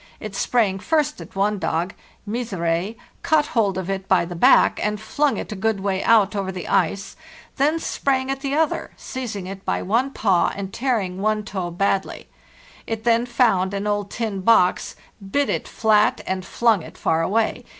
It sprang first at one dog, ' Misere,' caught hold of it by the back, and flung it a good way out over the ice, then sprang at the other, seizing it by one paw and tearing one toe badly. It then found an old tin box, bit it flat, and flung it far away.